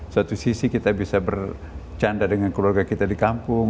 suatu sisi kita bisa bercanda dengan keluarga kita di kampung